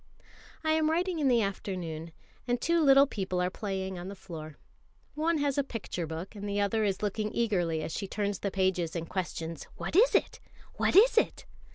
I am writing in the afternoon, and two little people are playing on the floor. One has a picture book, and the other is looking eagerly as she turns the pages and questions: "What is it? What is it?"